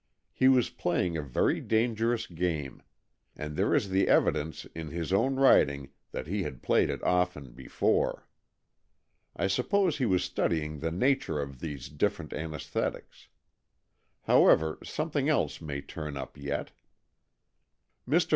He was playing a very dangerous game, and there is the evidence in his own writing that he had played it often before. I suppose he was studying the nature of these different anaesthetics. How ever, something else may turn up yet. Mr.